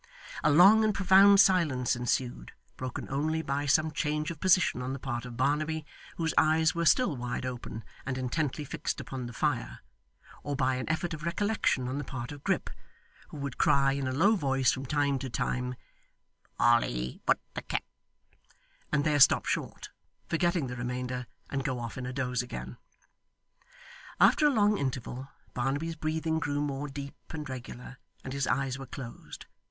A long and profound silence ensued, broken only by some change of position on the part of Barnaby, whose eyes were still wide open and intently fixed upon the fire; or by an effort of recollection on the part of Grip, who would cry in a low voice from time to time, 'Polly put the ket ' and there stop short, forgetting the remainder, and go off in a doze again. After a long interval, Barnaby's breathing grew more deep and regular, and his eyes were closed.